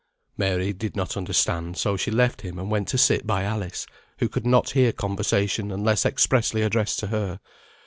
Mary did not understand, so she left him and went to sit by Alice, who could not hear conversation unless expressly addressed to her.